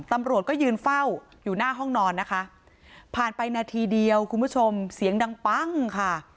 ตำรวจก็ยืนเฝ้าอยู่หน้าห้องนอนนะคะผ่านไปนาทีเดียวคุณผู้ชมเสียงดังปั้งค่ะ